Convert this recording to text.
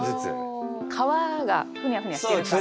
皮がふにゃふにゃしてるから。